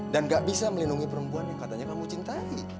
dan gak bisa melindungi perempuan yang katanya kamu cintai